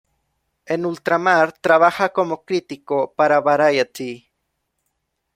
En ultramar trabaja como crítico para Variety.